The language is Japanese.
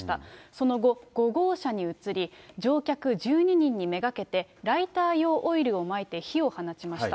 その後、５号車に移り、乗客１２人にめがけてライター用オイルをまいて火を放ちました。